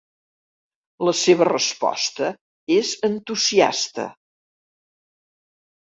La seva resposta és entusiasta.